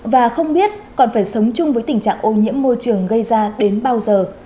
và không biết còn phải sống chung với tình trạng ô nhiễm môi trường gây ra đến bao giờ